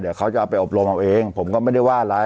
เดี๋ยวเขาจะเอาไปอบรมเอาเองผมก็ไม่ได้ว่าอะไร